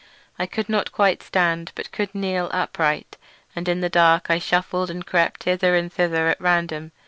I could not quite stand, but could kneel upright, and in the dark I shuffled and crept hither and thither at random.